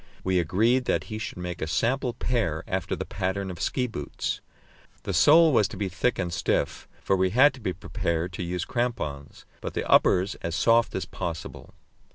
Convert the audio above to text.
We agreed that he should make a sample pair after the pattern of ski boots. The sole was to be thick and stiff for we had to be prepared to use crampons but the uppers as soft as possible.